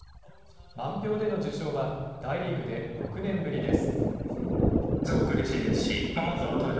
満票での受賞は大リーグで６年ぶりです。